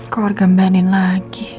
keluarga mba nin lagi